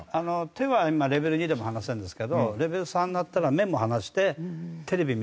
手はレベル２でも放せるんですけどレベル３になったら目も離してテレビ見れるので。